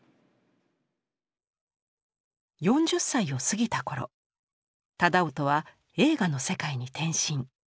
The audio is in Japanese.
４０歳を過ぎた頃楠音は映画の世界に転身。